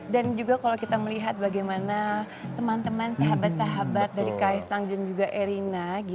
dan juga kalau kita melihat bagaimana teman teman sahabat sahabat dari ksj juga erina